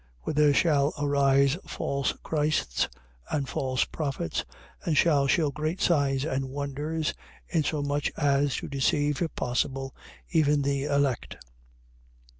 24:24. For there shall arise false Christs and false prophets and shall shew great signs and wonders, insomuch as to deceive (if possible) even the elect.